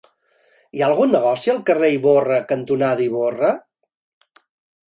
Hi ha algun negoci al carrer Ivorra cantonada Ivorra?